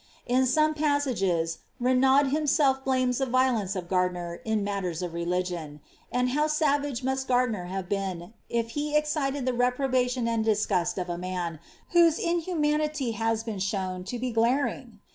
* e other passages, Renaud himself blames the violence of Gardiner ers of religion ; and how savage must Gardiner have been, if he the reprobation and disgust of a man, whose inhumanity has lown to be glaring